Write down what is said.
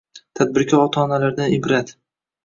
tadbirkor ota-onalardan iborat